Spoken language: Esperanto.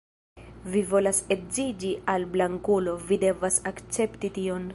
Vi volas edziĝi al blankulo, vi devas akcepti tion.